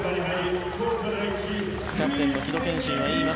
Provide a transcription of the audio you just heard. キャプテンの城戸賢心は言います。